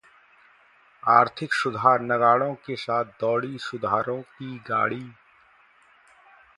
आर्थिक सुधार: नगाड़ों के साथ दौड़ी सुधारों की गाड़ी